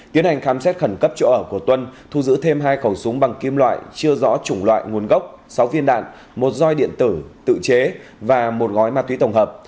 tiến hành khám xét khẩn cấp chỗ ở của tuân thu giữ thêm hai khẩu súng bằng kim loại chưa rõ chủng loại nguồn gốc sáu viên đạn một roi điện tử tự chế và một gói ma túy tổng hợp